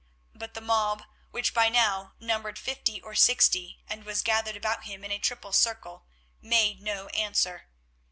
But the mob, which by now numbered fifty or sixty, and was gathered about him in a triple circle, made no answer.